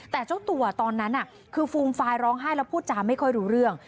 แต่เจ้าตัวตอนนั้นคือฟูมฟายร้องไห้แล้วพูดจาไม่ค่อยรู้เรื่อง